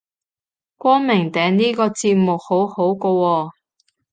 光明頂呢個節目好好個喎